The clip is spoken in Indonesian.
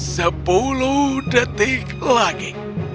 sepuluh detik lagi